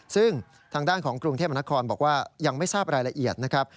ซึ่งทางด้านของกรุงเทพมนครบอกว่ายังไม่ทราบรายละเอียดนะครับ